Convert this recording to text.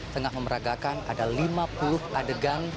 tengah memeragakan ada lima puluh adegan